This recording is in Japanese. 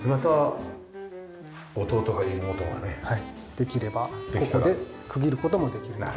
できればここで区切る事もできるという。